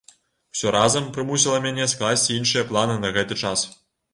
Усё разам прымусіла мяне скласці іншыя планы на гэты час.